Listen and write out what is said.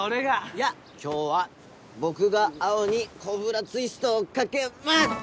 いや今日は僕が青にコブラツイストをかけます！